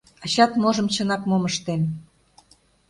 Ачат можым чынак мом ыштен...